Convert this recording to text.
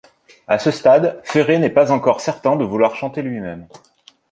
À ce stade Ferré n'est pas encore certain de vouloir chanter lui-même.